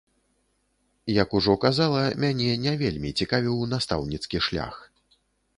Як ужо казала, мяне не вельмі цікавіў настаўніцкі шлях.